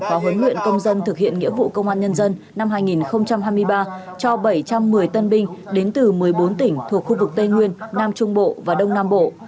và huấn luyện công dân thực hiện nghĩa vụ công an nhân dân năm hai nghìn hai mươi ba cho bảy trăm một mươi tân binh đến từ một mươi bốn tỉnh thuộc khu vực tây nguyên nam trung bộ và đông nam bộ